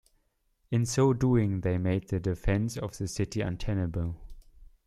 In so doing they made the defence of the city untenable.